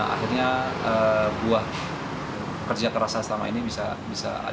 akhirnya buah kerja kerasa selama ini bisa